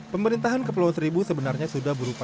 pemerintahan kepulauan seribu sebenarnya sudah berupaya